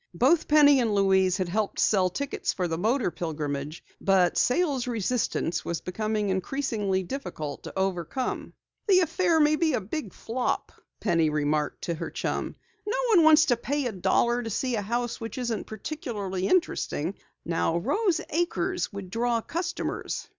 Both Penny and Louise had helped sell tickets for the motor pilgrimage, but sales resistance was becoming increasingly difficult to overcome. "The affair may be a big flop," Penny remarked to her chum. "No one wants to pay a dollar to see a house which isn't particularly interesting. Now Rose Acres would draw customers.